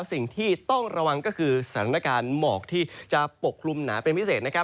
สิ่งที่ต้องระวังก็คือสถานการณ์หมอกที่จะปกคลุมหนาเป็นพิเศษนะครับ